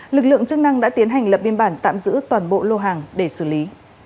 lực lượng chức năng đã tiến hành lập biên bản tạm giữ toàn bộ lô hàng để xử lý